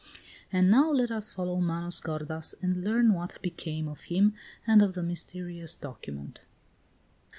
And now let us follow Manos gordas and learn what became of him and of the mysterious document.